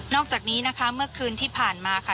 อกจากนี้นะคะเมื่อคืนที่ผ่านมาค่ะ